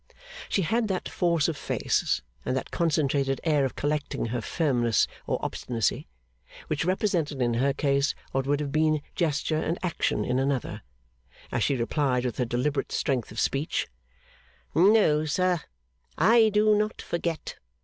She had that force of face, and that concentrated air of collecting her firmness or obstinacy, which represented in her case what would have been gesture and action in another, as she replied with her deliberate strength of speech: 'No, sir, I do not forget.